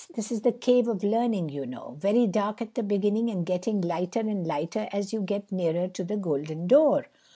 This is the Cave of Learning, you know, very dark at the beginning and getting lighter and lighter as you get nearer to the golden door.